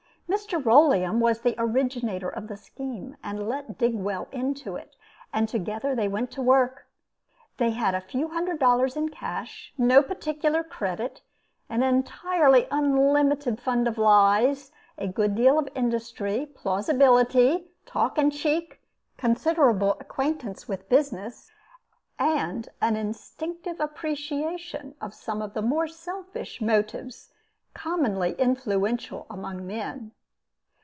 Mr. Rolleum was the originator of the scheme, and let Digwell into it; and together they went to work. They had a few hundred dollars in cash, no particular credit, an entirely unlimited fund of lies, a good deal of industry, plausibility, talk, and cheek, considerable acquaintance with business, and an instinctive appreciation of some of the more selfish motives commonly influential among men.